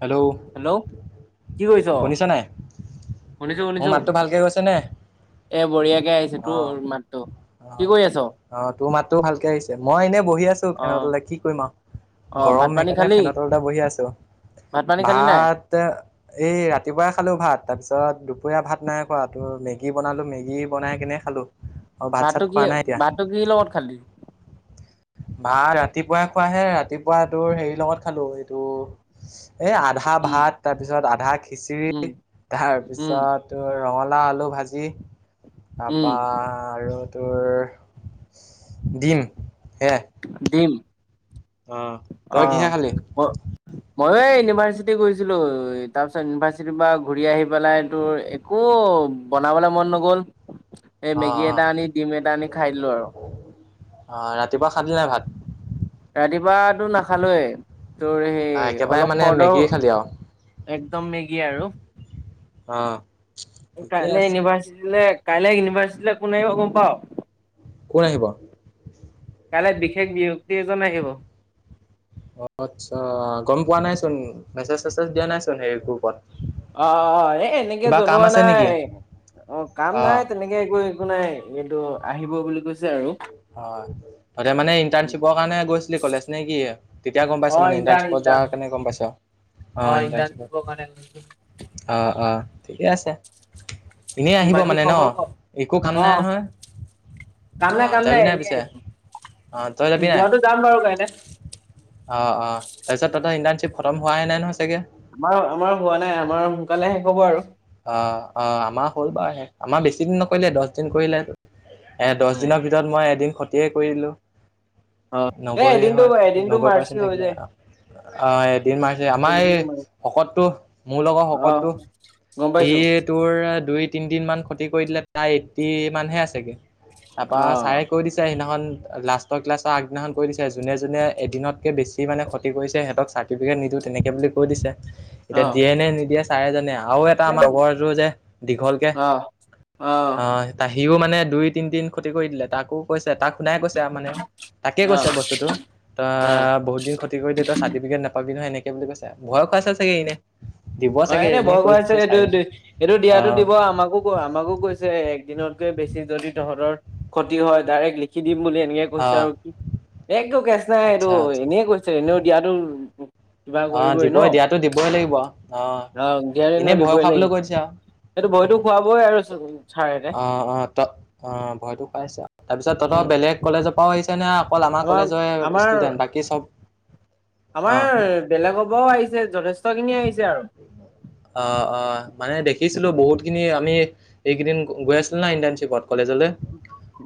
Hello. Hello কি কৰিছ শুনিছা নাই শুনিছোঁ, মোৰ শুনিছোঁ। মাতটো ভালকে গৈছে নে এ বঢ়িয়াকে আহিছে অ তোৰ মাততো অ কি কৰি আছ? অ', তোৰ মাতটো ভালকে আহিছে মই এনেই বহি আছোঁ অ', ফেনতলে কি কৰিম আৰু। অ', ভাত গৰম পানী সেইকাৰণে খালি? ফেনৰ তলতে বহি আছোঁ ভাত পানী খালি নাই? ভাত এই ৰাতিপুৱাই খালোঁ ভাত তাৰপিছত দুপৰীয়া ভাত নাই খোৱা টোৰ মেগী বনালোঁ মেগী বনাই কিনে হেল্ল'। ভাতটো, ভাতোটো কিৰ লগত খালি? ভা ৰাতিপুৱাই খোৱাহে ৰাতিপুৱা তোৰ হেৰিৰ লগত খালোঁ এইটো এ আধা আধা উম, ভাত তাৰ পিছত আধা উম, খিচিৰি তাৰ উম, পিছত তোৰ ৰঙালাও আলু ভাজি উম, তাৰপা আৰু তোৰ দিম হেয়া। দিম তই অহ। কিহে খালি? মই এই ইউনিভাৰ্চিটি গৈছিলোঁ তাৰ পিছত ইউনিভাৰ্চিটিৰ পৰা ঘূৰি আহি পেলাই তোৰ ও বনাবলৈ মন নগ'ল এই অ মেগী অ এটা আনি ডিম এটা আনি খাই দিলোঁ আৰু। অ', ৰাতিপুৱা খালি নে ভাত। ৰাতিপুৱাতো নাখালোৱে তোৰ সেই একেবাৰে অলপ মানে খৰ্দৰ মেগী খালি আৰু। একদম মেগী আৰু অ। ঠিকে কাইলৈ আছে ইউনিভাৰ্চিটিলৈ কাইলৈ ইউনিভাৰ্চিটিলৈ কো আহিব গ'ম পাও। কোন আহিব? কাইলৈ বিশেষ ব্যক্তি এজন আহিব। অ', আচ্ছা গ'ম পোৱা নাইচোন মেছেজ চেছেজ দিয়া নাইচোন সেই গ্ৰুপত। অ', এ এনেকে কিবা কাম জনোৱা আছে নেকি? নাই অ', কাম নাই তেনেকে এ কৈ একো নাই এইটো আহিব বুলি কৈছে আৰু। হয় তাতে মানে ইণ্টাৰণশ্বিপৰ কাৰণে গৈছিলি কলেজ নে কি? তেতিয়া গ'ম পাইছোঁ অ', মানে ইণ্টাৰ্ণ ইণ্টাৰৰ্ণশ্বিপত যোৱাৰ ইণ্টাৰ্ণ কাৰণে গ'ম পাইছ। আহ অ', ইণ্টাৰ্ণশ্বিপত ইণ্টাৰ্ণশ্বিপৰ কাৰণে আহ, আহ ঠিকে আছে। এনেই আহিব বাকী মানে ন খবৰ ক? একো কাম নাই অ', নহয় কাম অ'। কাম যাবি নাই এনেই পিছে আহিব অ', তই যাবি নাই। যোৱাটো যাম বাৰু কাইলে। অ', অ', তাৰপিছত তাতে ইণ্টাৰৰ্ণশ্বিপ খতম হোৱাই নাই নহয় চাগে। আমাৰ, আমাৰ হোৱা নাই, আমাৰ সোনকালে শেষ হ'ব হ'ব আৰু। অ', অ', আমাৰ হ'ল বাৰুে আমাৰ বেছি দিন নকৰিলে দহ দিন কৰিলে এ দহ উম। দিনৰ ভিতৰত পিছত মই এদিন ক্ষতিয়ে কৰিলোঁ। এ নব্বৈ এদিনটো হয় এদিনটো নব্বৈ মাৰ্চি পাৰ্চেন্ট হৈ থাকিলে যায় অ'। অ', এদিন মাৰিছে আমাৰ এই এদিনটো মাৰ্চি শকতটো মোৰ লগৰ অ', শকতটো। গম ই পাইছো তোৰ দুই তিনিদিন মান ক্ষতি কৰি দিলে, তাই এটতি মানহে আছেগে। তাৰপা চাৰে অ', কৈ দিছে সিদিনাখন লাষ্ট ক্লাছ আগদিনাখন কৈ দিছে যোনে যোনে এদিনত কে বেছি মানে ক্ষতি কৰছে হেহঁতক চা ৰতিফিকেট নিদো তেনেকে বুলি কৈ দিছে, এতিয়া দিয়ে অ'। নে নিদিয়ে চাৰে জানে আৰু এ এটা আমাৰ লগৰটোৰযে, দীঘলকে, অ', অ', আহ তাহিও মানে দুই তিনিদিন ক্ষতি কৰি দিলে, তাকো কৈছে তাক শুনাই কৈছে আৰু মানে, তাকে অ', কৈছে বস্তুটো। ত অ', বহুত দিন ক্ষতি কৰিলি তই চাৰ্টিফিকেট নাপাবি নহয় এনেকে বুলি কৈছে, ভয় খুৱাইচে চাগে এনে। দিব অ', চাগে এনে এনেই ভয় কৈ খুৱাইছে দিছে। এইটো, ছাৰে এইটো অ দিয়াতো দিব আমাকো ক আমাকো কৈছে, একদিনতকে বেছি যদি তহঁতৰ ক্ষতি হয়, ডাইৰেক্ট লিখি দিম বুলি এনেকে অ কৈছে আৰু, কি একো কেচ নাই এইটো আচ্ছা আচ্ছা এনে কৈছে, এনেও দিয়াতো কিবা অ', কৰিবই ন দিবই দিয়াতো দিবই লাগিব, অ' এনেই ভয় খোবলৈ কৈ দিছে আৰু। সেটো ভয়তো উম খুৱাবই আৰু, চাৰ চাৰহতে। অ', অ' ত অ' ভয়তো খোৱাইছে আৰু, তাৰপিছত তহঁতৰ উম, বেলেগ কলেজৰ পৰাও আহিছে। নে অকল আমাৰ কলেজৰ ষ্টুডেন্ট, বাকী চব, অ'। আমাৰ বেলেগৰ পৰাঁও আহিছে, যথেষ্টখিনি আহিছে আৰু। অ', অ' মানে দেখিছিলো বহুতখিনি আমি এইকেইদিন গৈ আছিলি না নাই ইণ্টাৰ্ণশ্বিপত কলেজলৈ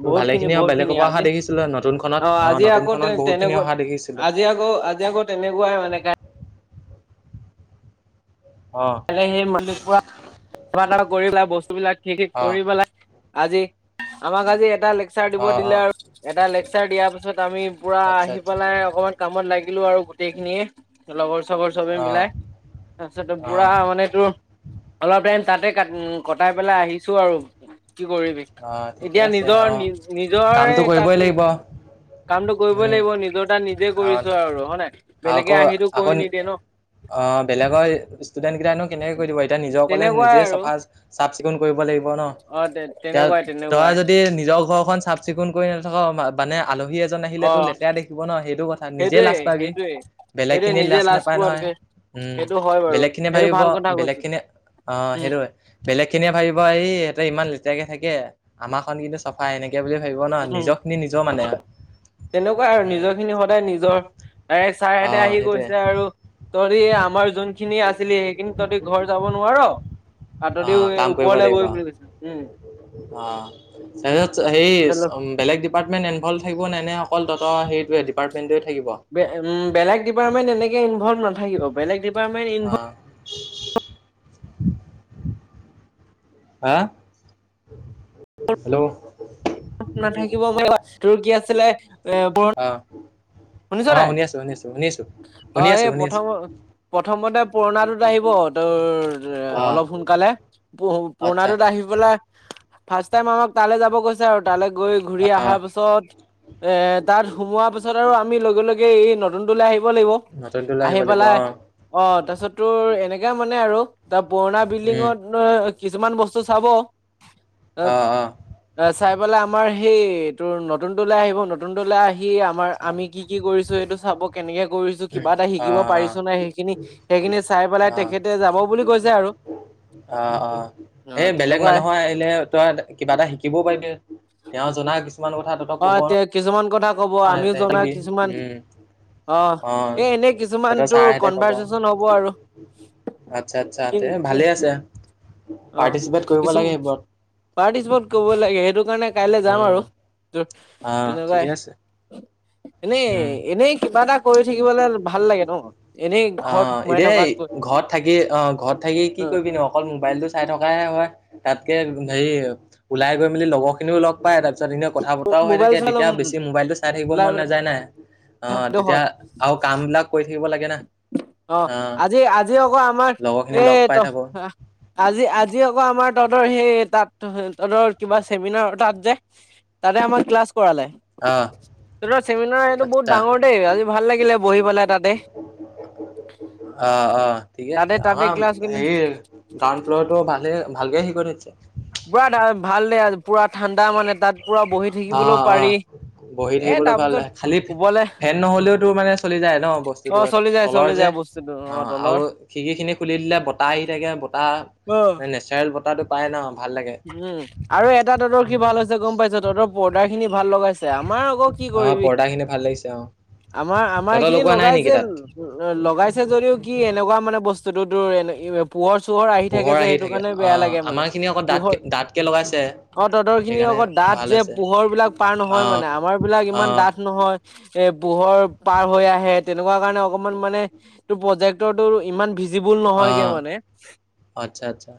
ত বহুত ভালে খিনি বহুত বেলেগৰ পৰা অহা আজি দেখিছিলো, নতুনখনত, অ আহ আজি আকৌ তে নতুনখনত বহুত খিনি তেনেকুৱা অহা দেখিছিলো। আজি আকৌ আজি আকৌ তেনেকুৱাই মানে অ সেই মল্িক পৰা কবা এ কৰি পেলাই বস্তুবিলাক ঠিক, ঠিক অ কৰি পেলাই আজি, আমাক আজি এটা লে লেকচাৰ দিব অ অ দিলে আৰু, এটা লেকচাৰ দিয়াৰ পিছত, আমি পুৰা আচ্ছা আহি আচ্ছা পেলাই অকমান কামত লাগিলো আৰু গোটেই খিনিয়ে, লগৰ চগৰ চবে অ মিলাই তাৰপিছত অ পুৰা মানে তোৰ, অলপ টাইম তাতে ক উ কটাই পেলাই আহিছো আৰু, কি কৰিবি। অ ঠিকে এতিয়া আছে নিজৰ অ নি নিজৰে কামটো কৰিবই তাত লাগিব কামটো কৰিবই উম লাগিব নিজৰ তাত নিজে অ কৰিছো আৰু, হয় নাই বেলেগে আহিটো কৰি নিদিয়ে ন। অ', বেলেগৰ ষ্টুডেন্ট কেইটা নো কেনেকে কৰি দিব এতিয়া নিজৰ কলেজ তেনেকুৱাই নিজে আৰু চাফা চাফ চিকুণ কৰিব লাগিব ন। অ', দে। তই যদি নিজৰ ঘৰখন চাফ চিকুণ কৰি নাথাক মানে আলহী এজন আহিলে অ তোৰ লেতেৰা দেখিব ন সেইটো কথা নিজে সেইটোৱে লাজ পাবি, সেইটোৱে বেলেগ সেইটোৱে খিনিয়ে নিজে লাজ নাপায় নহয়। পোৱাতকে উম, সেইটো হয় বাৰু বেলেগ খিনিয়ে সেইটো ভাবিব, ভাল কথা বেলেগ কৈছো খিনি অ' উম সেইটোৱে। বেলেগ খিনিয়ে ভাবিব এ সিহঁতে ইমান লেতেৰাৰাকে থাকে, আমাৰ খন কিন্তু চফাই এনেকে কে বুলি ভাবিব ন। উম, নিজৰ খিনি নিজৰ মানে তেনেকুৱা আৰু, উম নিজৰ খিনি সদায় নিজৰ ত অ ছাৰহেঁতে আহি সেইটোৱে গৈছে আৰু তঁহতি আমাৰ যোনখিনি আছিলি, সেইখিনি তঁহতি ঘৰ যাব নোৱাৰ। অ পাতদিও কাম কৰিব ওপৰলৈ লাগিব গৈ বুলি কৈছে, উম। অ', তাৰপিছত সেই বেলেগ ডিপাৰটেণ্ট ইণভলভ থাকিব নে, নে অকল তহতঁৰ সেইটোৱে ডিপাৰ্টেণ্টে থাকিব। বেলেগ, বেলেগ ডিপাৰ্টমেট এনেকে ইনল্ভ নাথাকিব, বেলেগ ডিপাৰ্টমেন্ট অ'। হা, হেল্ল'। নাথাকিব পাৰি, তোৰ কি আছিলে এ, [inaudible] অ', শুনিছ অ', নাই, শুনি আছোঁ, শুনি আছোঁ, শুনি আছোঁ। অ শুনি এই আছোঁ, শুনি প্ৰথম আছোঁ, প্ৰথমতে পুৰণাটোত আহিব টোৰ অ', অলপ সোনকালে, আচ্ছা পুৰাণটো তাৰ আহি পেলাই ফাৰ্ষ্ট টাইম, আমাক তালে যাব কৈ কৈছে আৰু তালৈ গৈ ঘুৰি অ', অহাৰ পিছত, এ তাত সোমোৱাৰ পিছত আৰু আমি লগে, লগে এই নতুন তোলৈ আহিব লাগিব নতুনটো লৈ আহি আহিব লাগিব পেলাই অ'। অঁ, তাৰপিছত তোৰ এনেকা মানে আৰু তাৰ পুৰণা উম, বিল্ডিঙত কিছুমান বস্তু চাব, এ অ', অ', অঁ, চাই পাই আমাৰ সেই তোৰ নতুন তলৈ আহিব নতুন তলৈ, আহি আমাৰ আচ্ছা আমি কি কি কৰিছো এইটো চাব, কেনেকে কৰিছো কিবা এটা অ', শিকিব অ', অ', পাৰিছো নাই সেইখিনি, সেইখিনি চাই পেলাই তেখেতে যাব বুলি কৈছে আৰু। অঁ, অ, অ এই বেলেগ তেনেকুৱাই মানুহৰ আহিলে। তই কিবা এটা শিকিবও পাৰিবি তেওঁ জনা কিছুমান কথা তহঁতক অ, ক'ব এতিয়া কিছুমান কথা কব আমিও জনা নোৱাৰে, কিছুমান উম, অ এ এনেই কিছুমান তহঁতৰ তোৰ ছাৰহঁতে ক'ব। কনভাৰ্চচন হব আৰু আচ্ছা আচ্ছা কি, তে কি ভালে অ পাৰ্টিচিপেট কৰিব কিছু লাগে সেইবোৰত। পাৰ্টিচিপেট কৰিব লাগে, সেইটো কাৰণে কাইলে যাম আৰু অ ঠিকে তেনেকুৱাই আছে এনেই, উম, এনেই কিবা এটা কৰি থাকিবলৈ ভাল লাগে ন, এনেই অ ঘৰত সোমাই এতিয়া এই থকাতকৈ ঘৰত থাকি অ ঘৰত থাকি কি অ কৰিবি ন, অকল মোবাইলটো চাই থকে হয়। তাতকে হেৰি ওলাই গৈ মেলি লগৰ খিনিও লগ পায় তাৰপিছত এনে কথা বতৰাও হৈ মোবাইল থাকে, চাই লম তেতিয়া বেছি মোবাইলটো চাই থাকিব মন নাযায় নাই অ তেতিয়া আৰু কামবিলাক কৰি থাকিব লাগে। না অঁ, অ আজি, আজি আকৌ আমাৰ লগৰ খিনি এ, লগ পাই ত থাকো আজি, আজি আকৌ আমাৰ তহঁতৰ সেই তাত তঁহতৰ কিবা চেমিনাৰ তাত যে তাতে আমাক ক্লাছ কৰালে। অ তহঁতৰ চেমিনাৰ এইটো বহুত আচ্ছা ডাঙৰ দেই আজি ভাল লাগিলে বহি পেলাই তাতে। অঁ, অ, ঠিকে তাতে আছে তাতে আমাৰ ক্লাছ কৰিলে হেৰি গ্ৰাউণ্ড ফ্ল'ৰটো ভালে ভালকে হেৰি কৰি থয় দিছে পুৰা ভাল দে, পুৰা ঠাণ্ডা মানে তাত পুৰা বহি অ থাকিবলৈও অ পাৰি। বহি এ থাকিবলৈ ভাল, তাৰপিছত খালি ওপৰলে ফেন নহ'লেওতো মানে চলি যায় ন অ বস্তুটো চলি যায় তলৰ চলি যে যায় বস্তুটো অ অঁ, তলৰ আৰু খিৰকি খিনি খুলি দিলে, বতাহ আহি থাকে বতাহ অঁ। নেচাৰেল বতাহটো পায় ন ভাল লাগে উম আৰু এটা তহতৰ কি ভাল হৈছে গম পাইছো তহঁতৰ পৰ্দাৰ খিনি ভাল লগাইছে, আমাৰ আকৌ কি অ কৰিবি পৰ্দা খিনি ভাল লাগিছে অ আমাৰ, আমাৰ তহঁতৰ এইখিনি লগোৱা নাই নেকি লগাইছিল। তাত উম, লগাইছে যদিও কি এনেকুৱা মানে বস্তুতটো তোৰ এ পোহৰ, চোহৰ আহি থাকে যে সেইটো কাৰণে বেয়া লাগে। আমাৰখিনি আকৌ ডাঠ, ডাঠকে লগাইছে। অঁ, তহতৰ খিনি সেইকাৰণে আকৌ ডাঁঠ ভাল যে হৈছে পোহৰ বিলাক পাৰ অ নহয় মানে, আমাৰ বিলাক অ ইমান ডাঠ নহয় এ, পোহৰ পাৰ হৈ আহে তেনেকুৱা কাৰণে অকমান মানে টোৰ, প্ৰজেক্টৰটো ইমান ভিজিবুল অ নহয়গে মানে আচ্ছা আচ্ছা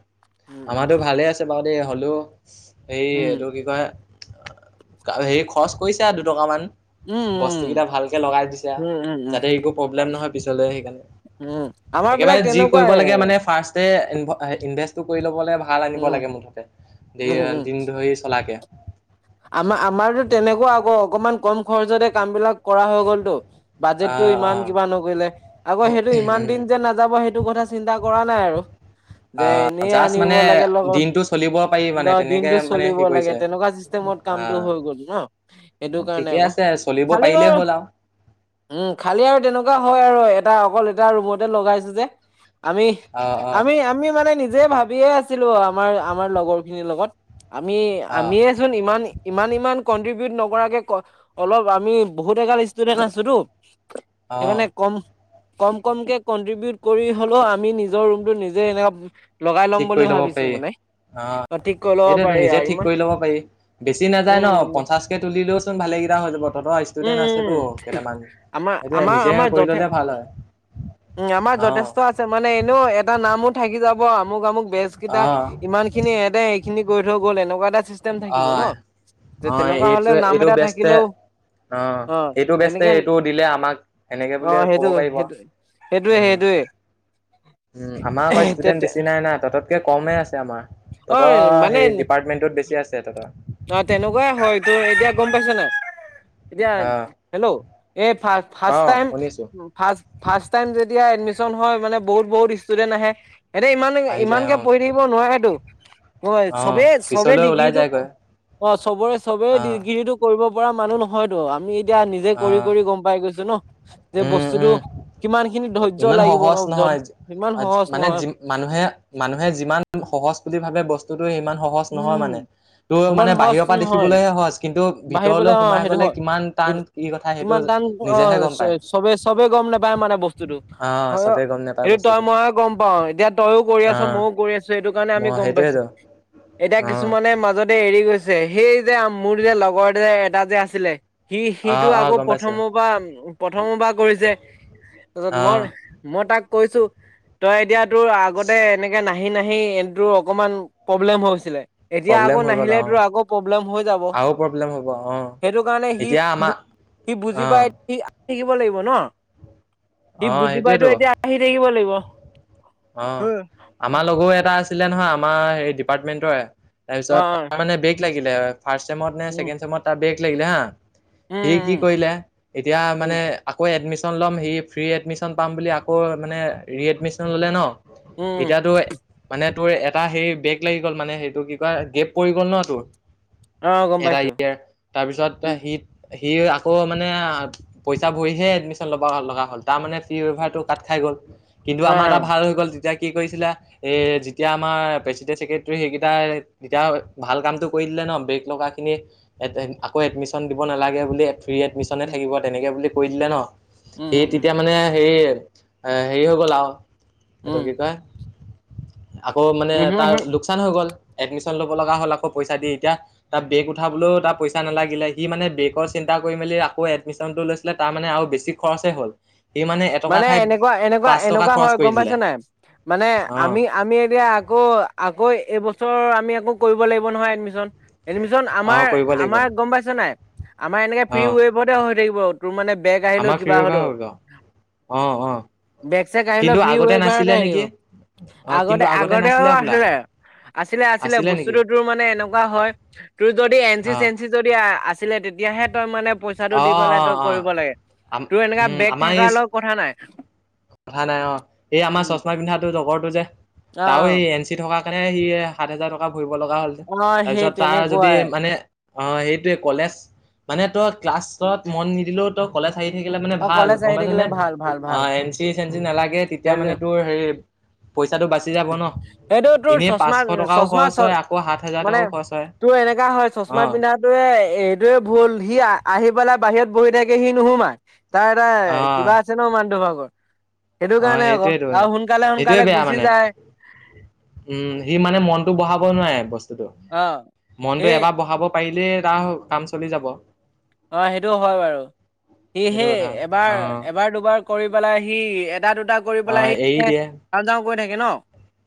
উম আমাৰতো ভালে আছে বাৰু দেই হ'লেও হে উম এইটো কি কয়? হেৰি খৰচ কৰিছো দুটকামান। উম বস্তু কেইটা উম ভালকে লগাই দিছে উম উম উম যাতে উম একো অ প্ৰব্লেম নহয় পিছলে সেইকাৰণে। উম, আমাৰ বিলাক একেবাৰে যি তেনেকুৱাই কৰিব লাগে মানে ফাৰ্ষ্টে ইনভেষ্টটো কৰি ল'ব ভাল ভাল আনিব উম, লাগে মুঠতে উম, দি-দিন ধৰি চলাকে। আমাৰ-আমাৰতো তেনেকুৱা আকৌ অকমান কম খৰচতে কাম বিলাক কৰা হৈ গ'লটো বাজেটো আহ ইমান আহ কিবা নকৰিলে আকৌ সেইটো ইমান উম দিন যে ন যাব সেইটো কথা চিন্তা কৰা নাই আৰু। যে আহ এনেই জাষ্ট আনিব মানে লাগে লগত। দিনটো চলিব পাৰি মানে তেনেকে দিনতটো মানে চলিব হেৰি লাগে কৰিছে তেনেকুৱা কামটো আহ হৈ গ'ল ন, সেইটো কাৰণে ঠিকে আকৌ। আছে চলিব খালি পাৰিলেই বাৰু হ'ল আৰু উম খালি আৰু তেনেকুৱা হয় আৰু এটা অকল এটা ৰুমতে লগাইছো যে। অ অ আমি-আমি-আমি মানে নিজে ভাবিয়ে আছিলো আমাৰ আমাৰ লগৰ খিনিৰ লগত। অ আমি-আমিয়েচোন ইমান-ইমান-ইমান কনট্ৰিবউট নকৰাকে অলপ আমি বহুত এগাল ষ্টুডেন্ট আছোতো অ সেইকাৰণে কম কম কমকে কন্ট্ৰিবউট কৰি হ'লেও আমি নিজৰ ৰুমটো নিজে এনে লগাই ঠিক ল'ম কৰি বুলি ল'ব পাৰি ভাবিছো মানে। অ ঠিক কৰি ল'ব এইটোৱেতো পাৰি নিজে আৰু ঠিক ইমান কৰি পাৰি। বেছি নাযায় ন উম উম পঞ্চাশ কে তুলিলেও চোন ভালে কেইটা হৈ যাব। তোৰ ধৰা উম ষ্টুডেণ্ট আছেতো উম। কেইটামান, আমাৰ সেইটোৱে আমাৰ নিজে কৰি ল'লে ভাল হয়। উ আমাৰ অ', যথেষ্ট আছে, মানে এনেও এটা নামো থাকি যাব আমুক আমুক বেজ কেইটা অ', ইমান খিনি এতে এইখিনি কৰি থৈ গ'ল এনেকুৱা এটা চিষ্টেম থাকিব অ'। ন। যে অ', তেনেকুৱা হ'লে এইটোৱে নাম এইটো এটা বেষ্টে থাকিলেও অ এইটো বেষ্টে এনেকে এইটো দিলে আমাক সেনেকে অ বুলি ক'ব সেইটো পাৰিব। সেইটো। সেইটোৱে সেইটোৱে। উ আমাৰ আকৌ ষ্টুডেন্ট তেতে বেছি নাই নাই। তহঁততকে কমেই আছে আমাৰ। তহঁতৰ অ' মানে সেই ডিপাৰ্টমেণ্টটোত বেছি আছে তহঁতৰ। অ তেনেকুৱাই হয় তোৰ এতিয়া গম পাইছ নাই? এতিয়া অ', হেল্ল' এই ফ ফাষ্ট অ', টাইম, শুনিছোঁ। ফাষ্ট-ফাষ্ট টাইম যেতিয়া এডমিশন হয় মানে বহুত বহুত ষ্টুডেন্ট আহে সিহঁতে ইমান আহি যায় ইমানকে অ', পঢ়ি থাকিব নোৱেতো। হয় অ', চবেই চবে পিছলৈ ওলাই ডিগ্ৰীটো যায়গৈ অ চবৰে চবেই অ', ডিগ্ৰীটো কৰিব পৰা মানুহ নহয়তো। আমি এতিয়া নিজে কৰি অ'। কৰি গম পাই গৈছো ন। যে উম, বস্তুতটো উম, কিমান খিনি ধৈৰ্যয় ইমান লাগিব সহজ ন নহয়। ইমান আজ- সহজ মানে যি নহয়। মানুহে মানুহে যিমান সহজ বুলি ভাবে বস্তু ত ত ইমান সহজ নহয় উম মানে। তোৰ মানে ইমান সহজ বাহিৰৰ পৰা নহয় দেখিবলৈহে সহজ। কিন্তু বাঢ়ি ভিতৰলৈ পেলাই অ সোমাই সেইটো গ'লে কিমান টান হয় কি কথা সেইটো নিজেহে গম পায়। চবেই চবেই গম নাপায় মানে বস্তুটো। অ চবে গম নোপায় সেইটো তই বস্তুটো ময়ে গম পাওঁ, এতিয়া তয়ও কৰি আছ অ', ময়ও কৰি আছো সেইটো কাৰণে আমি মই গম সেইটোৱেতো পাইছো। এতিয়া অ', কিছুমানে মাজত এৰি গৈছে। সেই যে মোৰ যে লগৰ যে এটা যে আছিলে। সি সিটো অ', অ', আকৌ গম পাইছো প্ৰথমৰ পৰা প্ৰথমৰ পৰা কৰিছে, তাৰপিছত মই অ', মই তাক কৈছো, তই এতিয়া তোৰ আগতে এনেকে নাহ নাহি নাহি তোৰ অকমান প্ৰব্লেম হৈছিলে। এতিয়া প্ৰব্লেম আকৌ হৈ গ'ল নাহিলে অ', তোৰ আকৌ প্ৰব্লেম হৈ যাব। আৰু প্ৰব্লেম হ'ব অ। সেইটো কাৰণে সি এতিয়া আমাৰ সি বুজি অ', পায় সি আহি থাকিব লাগিব ন, সি অ', বুজি পাইতো সেইটোৱেতো এতিয়া আহি থাকিব লাগিব। হ অ', আমাৰ লগৰ এটা আছিলে নহয়, আমাৰ হেৰি ডিপাৰ্টমেন্টৰে। অ অ তাৰপিছত, তাৰমানে বেগ লাগিলে, ফাৰ্ষ্ট ছেমত নে উম ছেকেণ্ড ছেমত তাৰ বেগ লাগিলে হা। উম উম সি কি কৰিলে, এতিয়া উম উম মানে আকৌ এডমিচ ল'ম, সি ফ্ৰী এডমিশন পাম বুলি, আকৌ মানে ৰি এডমিশন ললে ন'। উম এতিয়াতো মানে তোৰ, এটা সেই বেগ লাগি গ'ল মানে সেইটো, কি কয় গেপ পৰি গ'ল ন' তোৰ। অ গম এটা পাইছো ইয়াৰ, তাৰপিছত উম সি, সি আকৌ মানে পইচা ভৰিহে এডমিশ্যন লব লগা হ'ল, তাৰ মানে ফ্ৰি ৱভাৰটো কাট খাই গ'ল। কিন্তু অ আমাৰ এটা ভাল হৈ গ'ল, তেতিয়া কি কৰিছিলে, এ যেতিয়া আমাৰ প্ৰেচিডেণ্ট চছেক্ৰেটাৰী সেইকেইটা তেতিয়া ভাল কামটো কৰি দিলে ন, ব্ৰেক লগাখিনি আকৌ এডমিশন দিব নালাগে বুলি। ফ্ৰী এডমিচনে উম থাকিব, তেনেকে বুলি কৈ দিলে উম, ন, উম, সি উম, তেতিয়া মানে হে এ হেৰি হৈ গ'ল আৰু, এইটো কি উম, কয় আকৌ মানে উম, হম, তাৰ হম, লোকচান হৈ গ'ল, এডমিশন ল'ব লগা হ'ল আকৌ পইচা দি, এতিয়া তাত বেগ উঠাবলৈও তাৰ পইচা নালাগিলে, ই মানে বেকৰ চিন্তা কৰি মেলি আকৌ এডমিচনটো লৈছে। লে, তাৰ মানে আৰু বেছি খৰচ হে হ'ল, সি মানে এটকা ঠাইত বা পাঁচ টকা এনেকুৱা খৰচ হয় কৰি গম পাইছ দিলে নাই, মানে অ' আমি আমি এতিয়া আকৌ, আকৌ এইবছৰ আমি আকৌ কৰিব লাগিব নহয় এডমিশন। এডমিচন আমাৰ, অ' কৰিব লাগিব আমাৰ গম পাইছে নাই, আমাৰ এনেকে ফ্ৰি অ' ৱেবতে হৈ থাকিব। তোৰ মানে বেগ আহিলে আমাৰ ফ্ৰী কিবা ৱেইভাৰ হ'লেওঁ। হ'ব অ', অ'। বেগ-চেগ আহিলেও কিন্তু ফ্ৰী আগতে নাছিলে ৱেবাৰতে নেকি আহিব, অ' কিন্তু আগতে আগতেও নাছিলে হ'বলা আছিলে। আছিলে, আছিলে বস্তুটো তোৰ মানে এনেকুৱা হয়, তোৰ যদি এন চি অ' চেন চি যদি আছিলে, তেতিয়াহে তই মানে পইচা পইচাটো দি অ' পেলাই অ' তই অ' কৰিব লাগে, তোৰ এনেকা উম বেগ আমাৰ এই থকাৰ লগত কথা নাই। কথা নাই অ', এই আমাৰ উম, চশমা পিন্ধাটো লগৰটো যে, তাৰও অ', এই এন চি সি থকাৰ কাৰণে, ই সাত হোজাৰ টকা ভৰিব লগা হ'ল, অ', সেই তাৰপিছত তাৰ যদি তেনেকুৱাই। মানে অ', সেইটোৱে কলেজ মানে, তই ক্লাছত মন নিদিলেও কলেজ আহি থাকিলে মানে অ', ভাল, কলেজ গম আহি পাইছ থাকিলে নে, ভাল, ভাল, ভাল অ', এণ চি-চেন চি নালাগে তেতিয়া সেইটোৱে। মানে তোৰ তোৰ হেৰি পইচাটো বাচি যাব ন' সেইটো তোৰ এনেই চচমা, পাঁচশ টকাও চচমা খৰচ চ হয় আকৌ সাত হাজাৰ মানে, টকাও খৰচ হয় তোৰ এনেকা হয় অ চচমা পিন্ধাত তোৰ সেই এইতোৱে ভুল, সি আহি পেলাই বাহিৰত বহি থাকে সি নুসুমাই তাৰ এটা অ কিবা আছে ন', মানুহটোৰ ভাগৰ সেইটো অ কাৰণে আকৌ, সেইটোৱেতো আৰু সোনকালে, সেইটোৱে সোনকালে বেয়া গুচি মানে যায়। উম, সি মানে মনটো বহাব নোৱাৰে, বস্তুটো অ'। মনটো সেই এবাৰ বহাব পাৰিলেই তাৰ কাম চলি যাব। অ', সেইটো হয় বাৰু, সি সেইটো সেই কথা অ এবাৰ, অ এবাৰ দুবাৰ কৰি পেলাই সি, এটা, দুটা কৰি পেলাই সি এৰি দিয়ে যাওঁ, যাওঁ কৰি থাকে ন'।